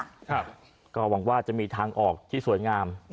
ครับก็หวังว่าจะมีทางออกที่สวยงาม